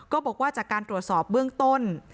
บอกว่าจากการตรวจสอบเบื้องต้น